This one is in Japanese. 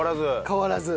変わらず。